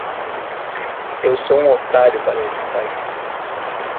Eu sou um otário para este país.